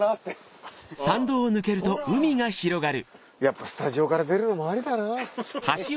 やっぱスタジオから出るのもありだな。